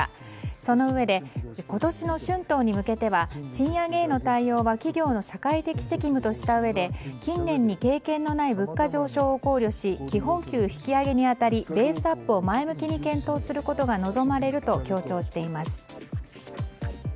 そのうえで今年の春闘に向けては賃上げへの対応は企業の社会的責務としたうえで近年に経験のない物価上昇を考慮し基本給引き上げに当たりベースアップを前向きに検討することが望まれると強調しています。